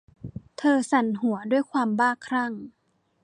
เธอสั่นหัว ด้วยความบ้าคลั่ง